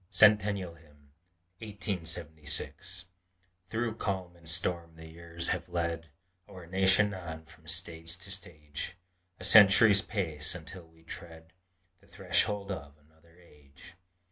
CENTENNIAL HYMN 1876 Through calm and storm the years have led Our nation on, from stage to stage A century's space until we tread The threshold of another age.